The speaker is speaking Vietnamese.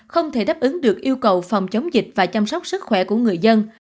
không thể đáp ứng được yêu cầu phòng chống dịch và chăm sóc sức khỏe của người dân